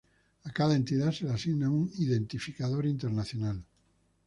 A cada entidad se le asigna un identificador internacional.